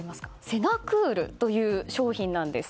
セナクールという商品です。